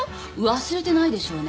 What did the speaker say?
忘れてないでしょうね？